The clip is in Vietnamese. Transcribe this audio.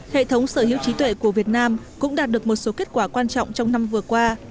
hệ thống sở hữu trí tuệ của việt nam cũng đạt được một số kết quả quan trọng trong năm vừa qua